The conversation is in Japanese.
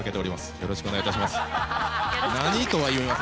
よろしくお願いします。